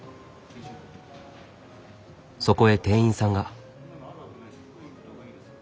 そこへ店員さんが。